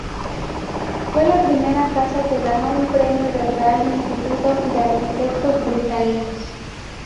Fue la primera casa que ganó un premio del Real Instituto de Arquitectos Británicos.